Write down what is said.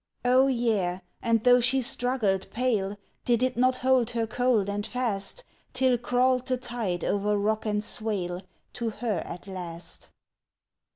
Oh, yea! and tho' she struggled pale, Did it not hold her cold and fast, Till crawled the tide o'er rock and swale, To her at last?